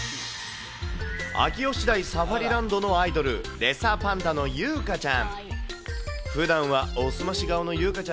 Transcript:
秋吉台サファリランドのアイドル、レッサーパンダの優香ちゃん。